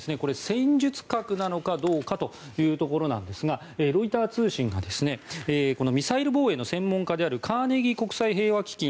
戦術核なのかどうかというところですがロイター通信がミサイル防衛の専門家であるカーネギー国際平和基金